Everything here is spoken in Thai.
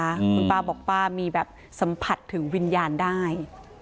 คุณป้าบอกป้ามีแบบสัมผัสถึงวิญญาณได้